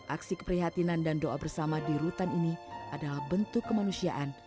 aksi keprihatinan dan doa bersama di rutan ini adalah bentuk kemanusiaan